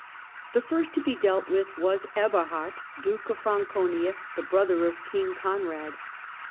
The first to be dealt with was Eberhard, Duke of i'anconia, the brother of King Conrad.